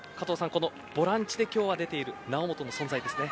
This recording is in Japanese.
このボランチで今日は出ている猶本の存在ですね。